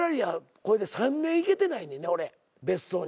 これで３年行けてないねん俺別荘に。